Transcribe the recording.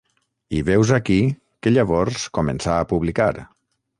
I veus aquí que llavors començà a publicar